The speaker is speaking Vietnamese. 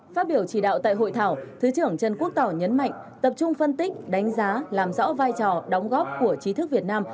phát biểu chỉ đạo tại hội thảo thứ trưởng trần quốc tỏ nhấn mạnh tập trung phân tích đánh giá làm rõ vai trò đóng góp của trí thức việt nam